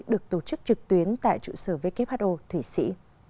được tổ chức trực tuyến tại trụ sở who thủy sĩ